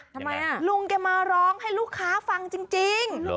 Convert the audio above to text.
ทำไมลุงแกมาร้องให้ลูกค้าฟังจริง